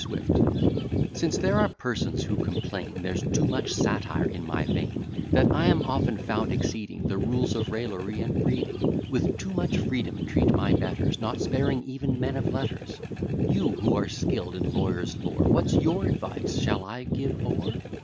SWIFT Since there are persons who complain There's too much satire in my vein; That I am often found exceeding The rules of raillery and breeding; With too much freedom treat my betters, Not sparing even men of letters: You, who are skill'd in lawyers' lore, What's your advice? Shall I give o'er?